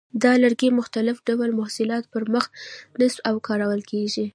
د لرګي مختلف ډول محصولاتو پر مخ نصب او کارول کېږي.